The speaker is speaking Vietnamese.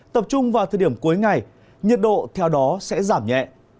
tập trung vào thời điểm cuối ngày nhiệt độ theo đó sẽ giảm nhẹ